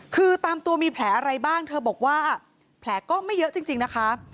คือตามตัวมีแผลอะไรบ้างเธอบอกว่าแผลก็ไม่เยอะจริงนะคะ